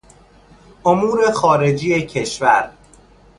امور خارجی کشور